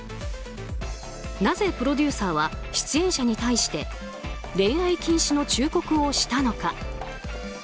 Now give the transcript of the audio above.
なぜ、プロデューサーは出演者に対して恋愛禁止の忠告をしたのか。